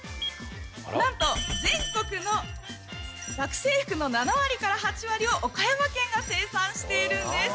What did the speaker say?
なんと全国の学生服の７割から８割を岡山県が生産しているんです